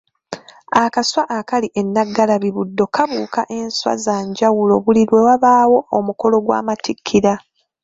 Akaswa akali e Nnaggalabi Buddo kabuuka enswa za njawulo buli lwe wabaayo omukolo gw'amatikkira.